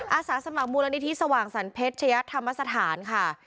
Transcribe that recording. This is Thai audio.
อาสาสมัครมูลนิธิสว่างสรรเพชรชยัตธรรมสถานค่ะ